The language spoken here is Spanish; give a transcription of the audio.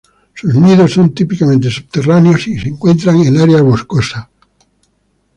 Sus nidos son típicamente subterráneos y se encuentran en áreas boscosas.